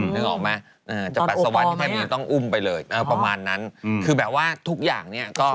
นึกออกไหมจากปัสสาวะแทบมันจะต้องอุ้มไปเลยประมาณนั้นคือแบบว่าทุกอย่างเนี่ยก็